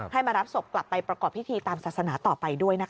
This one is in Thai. มารับศพกลับไปประกอบพิธีตามศาสนาต่อไปด้วยนะคะ